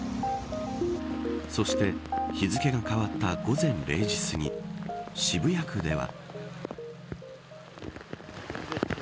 そして、日付が変わった午前０時すぎ渋谷区では。